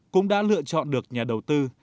cũng đã lựa chọn được nhà đầu tư